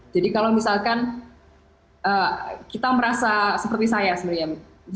jadi kalau misalkan kita merasa seperti saya sebenarnya